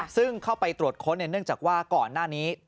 ซึ่งเข้าไปตรวจค้นเนื่องจากว่าก่อนหน้านี้